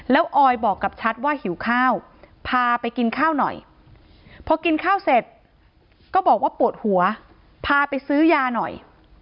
แล้วออยบอกกับชัดว่าหิวข้าวพาไปกินข้าวหน่อยพอกินข้าวเสร็จก็บอกว่าปวดหัวพาไปซื้อยาหน่อย